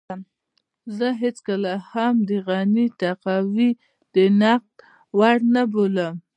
زه هېڅکله هم د غني تقوی د نقد وړ نه بولم.